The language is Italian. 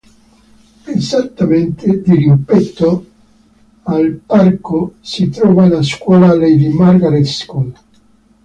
Esattamente dirimpetto al parco si trova la scuola Lady Margaret School